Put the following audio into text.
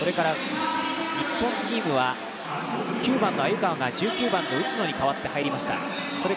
日本チームは９番の鮎川が１９番の内野に代わって入りました。